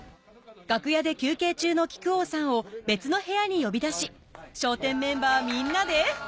楽屋で休憩中の木久扇さんを別の部屋に呼び出し笑点メンバーみんなで